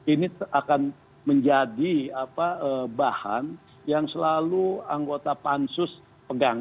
ini akan menjadi bahan yang selalu anggota pansus pegang